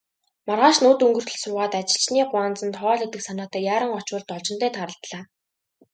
Маргааш нь үд өнгөртөл суугаад, ажилчны гуанзанд хоол идэх санаатай яаран очвол Должинтой тааралдлаа.